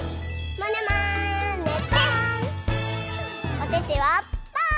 おててはパー！